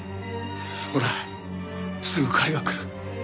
ほらすぐ彼が来る。